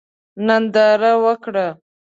ننداره وکړه.